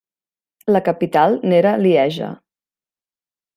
La capital n'era Lieja.